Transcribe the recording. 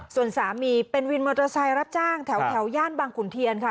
ส่วนสามีเป็นวินมอเตอร์ไซค์รับจ้างแถวย่านบางขุนเทียนค่ะ